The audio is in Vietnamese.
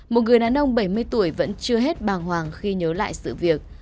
một người đàn ông bảy mươi tuổi vẫn chưa hết bàng hoàng khi nhớ lại sự việc